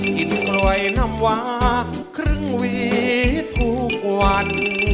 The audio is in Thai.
กินกล้วยน้ำวาครึ่งหวีทุกวัน